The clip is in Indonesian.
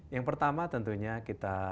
yang pertama tentunya kita